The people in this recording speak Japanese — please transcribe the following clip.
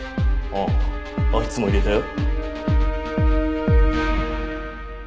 あいつも入れたよ。